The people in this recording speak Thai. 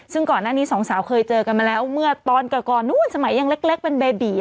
ซึ่งก่อนหน้านี้สองสาวเคยเจอกันมาแล้วเมื่อตอนก่อนนู้นสมัยยังเล็กเป็นเบบี